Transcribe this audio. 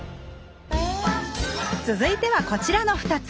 続いてはこちらの２つ。